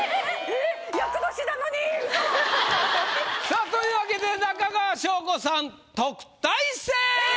さあというわけで中川翔子さん特待生！